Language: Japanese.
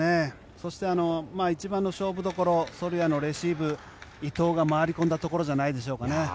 そして、一番の勝負どころソルヤのレシーブ伊藤が回り込んだところじゃないですかね。